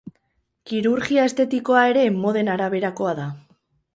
Kirurgia estetikoa ere moden araberakoa da.